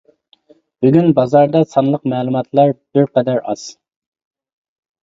بۈگۈن بازاردا سانلىق مەلۇماتلار بىر قەدەر ئاز.